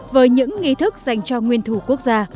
với những nghi thức dành cho nguyên thủ quốc gia